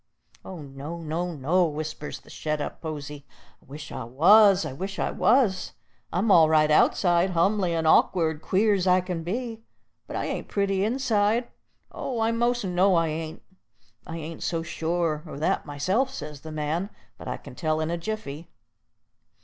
"Oh, no, no, no!" whispers the shet up posy. "I wish I was, I wish I was. I'm all right outside, humly and awk'ard, queer's I can be, but I ain't pretty inside, oh! I most know I ain't." "I ain't so sure o' that myself," says the man, "but I can tell in a jiffy."